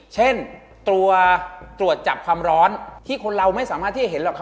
เช่นตัวตรวจจับความร้อนที่คนเราไม่สามารถที่จะเห็นหรอกครับ